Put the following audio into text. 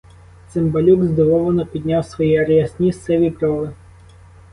Цимбалюк здивовано підняв свої рясні сиві брови.